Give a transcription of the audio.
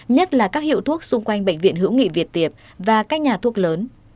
nhất là các hiệu thuốc xung quanh bệnh viện hữu nghị việt tiệp và các nhà thuốc lớn